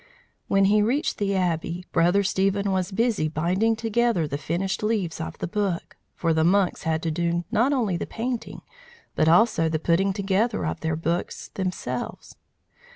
When he reached the Abbey, Brother Stephen was busy binding together the finished leaves of the book; for the monks had to do not only the painting, but also the putting together of their books themselves.